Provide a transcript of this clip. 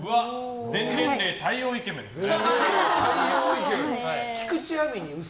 全年齢対応イケメンですね！